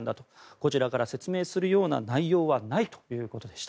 こちらから説明するような内容はないということでした。